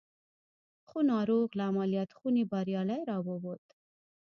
خو ناروغ له عملیات خونې بریالی را وووت